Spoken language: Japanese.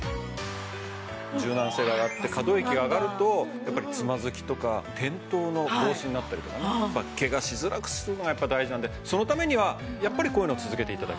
柔軟性が上がって可動域が上がるとつまずきとか転倒の防止になったりとかねケガしづらくするのがやっぱり大事なんでそのためにはこういうのを続けて頂きたい。